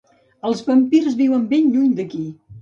Els vampirs viuen ben lluny d'aquí.